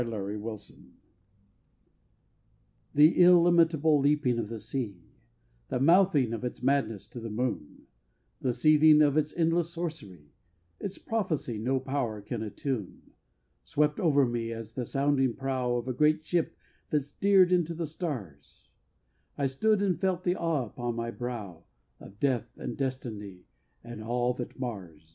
"ALL'S WELL" I The illimitable leaping of the sea, The mouthing of its madness to the moon, The seething of its endless sorcery, Its prophecy no power can attune, Swept over me as, on the sounding prow Of a great ship that steered into the stars, I stood and felt the awe upon my brow Of death and destiny and all that mars.